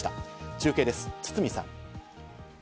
中継です、堤さん。